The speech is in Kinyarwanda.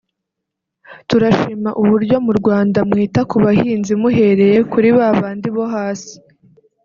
turashima uburyo mu Rwanda mwita ku bahinzi muhereye kuri ba bandi bo hasi